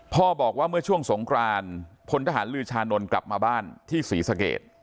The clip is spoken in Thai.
บอกว่าเมื่อช่วงสงครานพลทหารลือชานนท์กลับมาบ้านที่ศรีสเกต